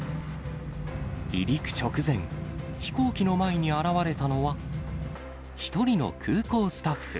離陸直前、飛行機の前に現れたのは、１人の空港スタッフ。